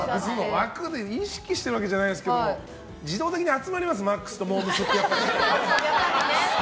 枠で意識してるわけじゃないですけど自動的に集まりますＭＡＸとモー娘。は。